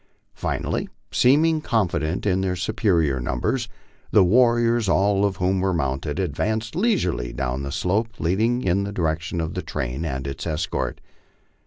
Finally, seeming confident in their superior numbers, the warriors, all of whom were mounted, advanced leisurely down the slope leading in the direction of the train and its escort.